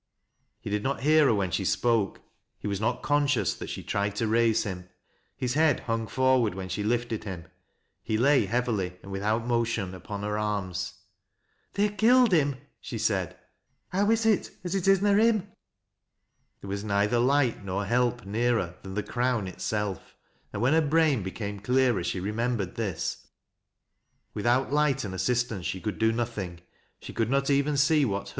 He did not hear her when she spoke ; he was net cx)n »c:ou& that she tried to raise him ; his head hung forward when she lifted him ; he lay heavily, and withe ut motion, apon her arms. aOO THAT LASS 0' LOWBIBPS. " Thej ha' killed him !" she said. " How is it, as it ii iia livm f " There was neither light Dor help nearer than " The Ciown" itself, and when her brain became clearer, slie lemembered this. "Without light and assistance, she could do nothing; she could not even see what hu.